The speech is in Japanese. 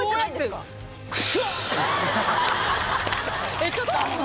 えっちょっとあの。